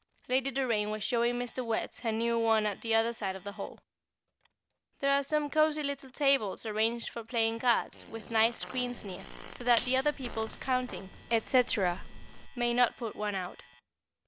Lady Doraine was showing Mr. Wertz her new one at the other side of the hall. There are some cosy little tables arranged for playing cards, with nice screens near, so that the other people's counting, &c., may not put one out.